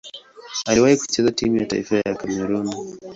Aliwahi kucheza timu ya taifa ya Kamerun.